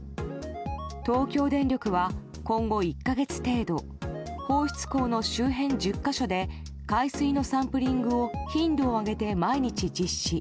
東京電力は今後１か月程度放出口の周辺１０か所で海水のサンプリングを頻度を上げて毎日実施。